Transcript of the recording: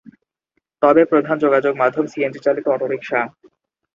তবে প্রধান যোগাযোগ মাধ্যম সিএনজি চালিত অটোরিক্সা।